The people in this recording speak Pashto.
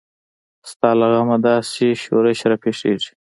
ستا له غمه داسې شورش راپېښیږي.